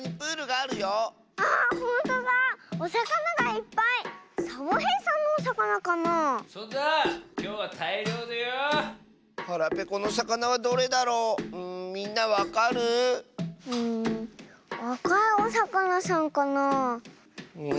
あかいおさかなさんかなあ。